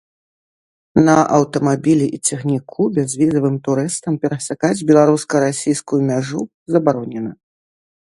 На аўтамабілі і цягніку бязвізавым турыстам перасякаць беларуска-расійскую мяжу забаронена.